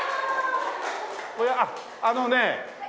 あのね